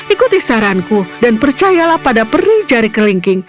ikuti saranku dan percayalah pada peri jari kelingking